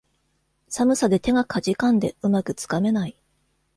寒さで手がかじかんで、うまくつかめない